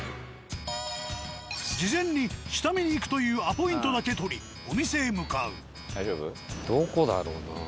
事前に下見に行くというアポイントだけ取りお店へ向かう。